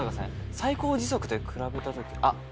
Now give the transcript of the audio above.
「最高時速で比べた時」